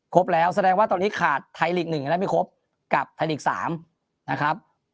ครบแล้วแสดงว่าตอนนี้ขาดไทยฤกษ์๑แล้วไม่ครบกับไทยฤกษ์๓นะครับ